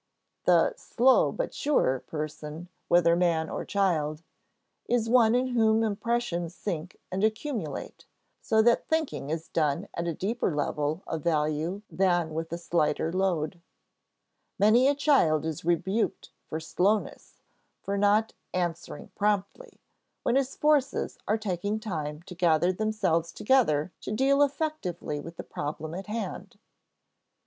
The "slow but sure" person, whether man or child, is one in whom impressions sink and accumulate, so that thinking is done at a deeper level of value than with a slighter load. Many a child is rebuked for "slowness," for not "answering promptly," when his forces are taking time to gather themselves together to deal effectively with the problem at hand.